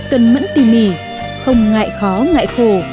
cân mẫn tỉ mỉ không ngại khó ngại khổ